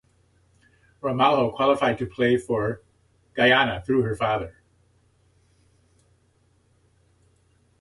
Ramalho qualified to play for Guyana through her father.